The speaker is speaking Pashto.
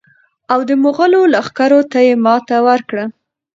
او د مغولو لښکرو ته یې ماته ورکړه.